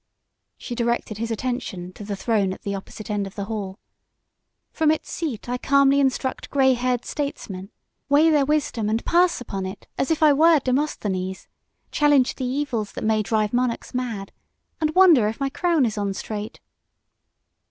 She directed his attention to the throne at the opposite end of the hall. "From its seat I calmly instruct gray haired statesmen, weigh their wisdom and pass upon it as if I were Demosthenes, challenge the evils that may drive monarchs mad, and wonder if my crown is on straight."